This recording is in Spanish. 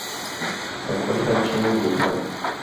Se encuentra en China y Vietnam.